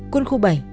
quân khu bảy